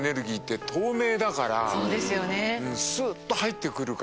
そうですよね。